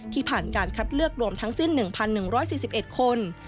ผ่านการคัดเลือกรวมทั้งสิ้น๑๑๔๑คน